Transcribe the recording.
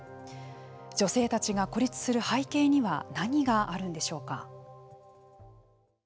女性たちが孤立する背景には何があるのでしょうか。